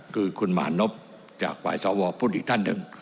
คือคุณหมานพจากฝ่ายสวพูดอีกท่านหนึ่ง